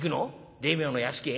大名の屋敷へ？